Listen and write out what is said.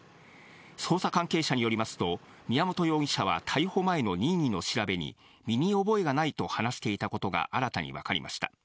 捜査関係者によりますと、宮本容疑者は逮捕前の任意の調べに、身に覚えがないと話していたことが新たに分かりました。